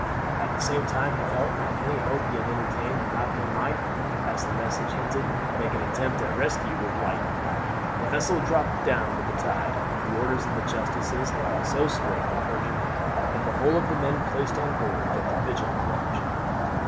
At the same time he felt that any hope he had entertained that Malcolm might, as the message hinted, make an attempt at rescue were blighted. The vessel dropped down with the tide. The orders of the justices had been so strict and urgent that the whole of the men placed on board kept a vigilant watch.